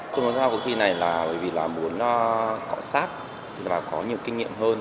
tôi muốn ra cuộc thi này là bởi vì là muốn cọ sát và có nhiều kinh nghiệm hơn